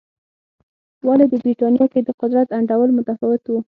ولې د برېټانیا کې د قدرت انډول متفاوت و.